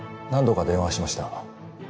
何度か電話しました。